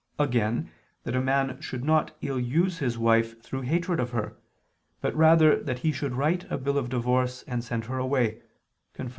Again, that a man should not ill use his wife through hatred of her, but rather that he should write a bill of divorce and send her away (Deut.